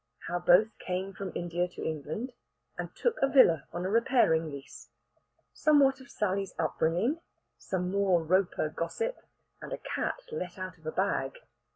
HOW BOTH CAME FROM INDIA TO ENGLAND, AND TOOK A VILLA ON A REPAIRING LEASE. SOMEWHAT OF SALLY'S UPBRINGING. SOME MORE ROPER GOSSIP, AND A CAT LET OUT OF A BAG.